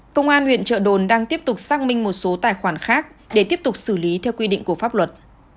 công an huyện trợ đồn đang tiếp tục xác minh một số tài khoản khác để tiếp tục xử lý theo quy định của pháp luật